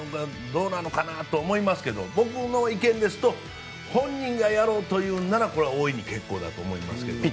どうなのかな？と思いますが僕の意見ですと本人がやろうというならこれは大いに結構だと思いますけど。